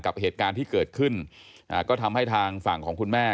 กับเหตุการณ์ที่เกิดขึ้นก็ทำให้ทางฝั่งของคุณแม่